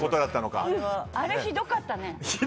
あれひどかったね。